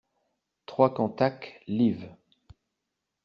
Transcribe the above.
trois Cantac, liv.